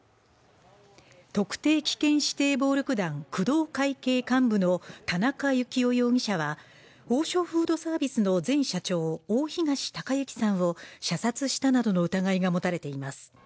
特定危険指定暴力団工藤会系幹部の田中幸雄容疑者は王将フードサービスの前社長大東隆行さんを射殺したなどの疑いが持たれています